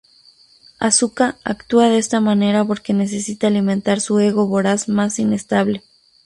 Asuka actúa de esta manera porque necesita alimentar su ego voraz más inestable.